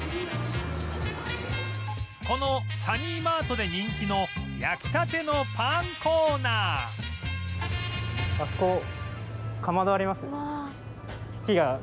このサニーマートで人気の焼きたてのパンコーナーあそこ。